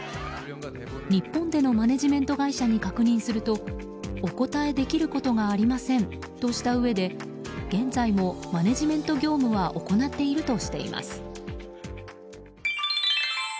日本でのマネジメント会社に確認するとお答えできることがありませんとしたうえで現在もマネジメント業務は行っているとしています。